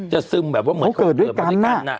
จะซึมแบบว่าเหมือนเขาเกิดมาด้วยกัน